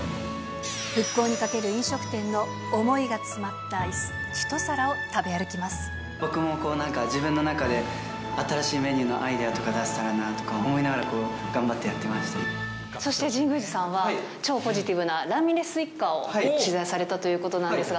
復興にかける飲食店の想いが僕もこう、なんか自分の中で、新しいメニューのアイデアとか出せたらなとか思いながら、こう、そして神宮寺さんは、超ポジティブなラミレス一家を取材されたということなんですが。